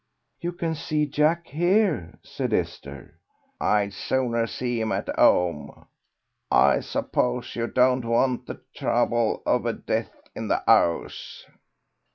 "You can see Jack here," said Esther. "I'd sooner see him at 'ome.... I suppose you don't want the trouble of a death in the 'ouse."